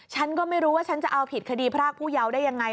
ฉันก็ไม่รู้ว่าฉันจะเอาผิดคดีพรากผู้เยาว์ได้ยังไง